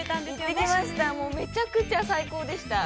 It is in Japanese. もう、めちゃくちゃ最高でした。